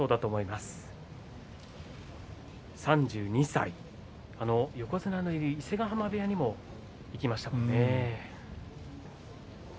３２歳横綱のいる伊勢ヶ濱部屋にも行きました。